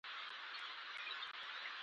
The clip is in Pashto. تاسو په خپل کار کې بریالي یئ.